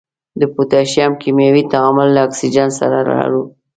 د پوتاشیم کیمیاوي تعامل له اکسیجن سره لرو.